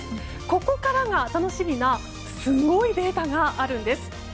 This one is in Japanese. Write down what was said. ここからが楽しみなすごいデータがあるんです。